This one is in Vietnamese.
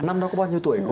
năm đó có bao nhiêu tuổi cô